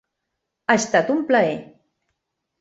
Ha estat un plaer.